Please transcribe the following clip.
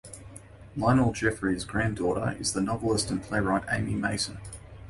Lionel Jeffries' granddaughter is the novelist and playwright Amy Mason.